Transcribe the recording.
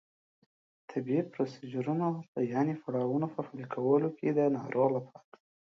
د طبي پروسیجرونو یانې پړاوونو په پلي کولو کې د ناروغ لپاره